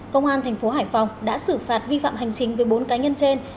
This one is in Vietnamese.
công an tp hải phòng đã xử phạt vi phạm hành chính với bốn cá nhân trên